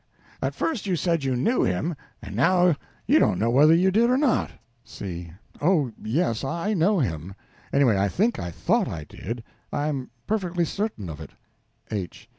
As first you said you knew him, and now you don't know whether you did or not. C. Oh yes, I know him; anyway, I think I thought I did; I'm perfectly certain of it. H.